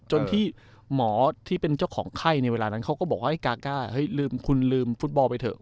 จนที่หมอที่เป็นเจ้าของไข้ในเวลานั้นเขาก็บอกว่ากาก้าเฮ้ยลืมคุณลืมฟุตบอลไปเถอะ